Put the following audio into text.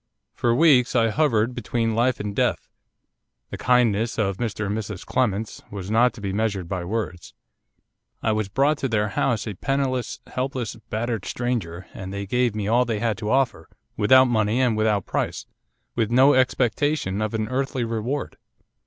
For weeks I hovered between life and death. The kindness of Mr and Mrs Clements was not to be measured by words. I was brought to their house a penniless, helpless, battered stranger, and they gave me all they had to offer, without money and without price, with no expectation of an earthly reward.